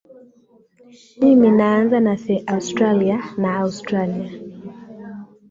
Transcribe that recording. mimi naanza na the australian la australia